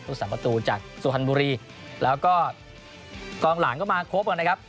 ผู้สามารถตูจากสุธันบุรีแล้วก็กองหลานก็มาครบกันนะครับ